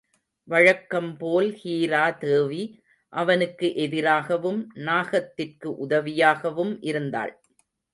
வழக்கம் போல் ஹீரா தேவி, அவனுக்கு எதிராகவும், நாகத்திற்கு உதவியாகவும் இருந்தாள்.